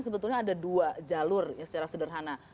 sebetulnya ada dua jalur secara sederhana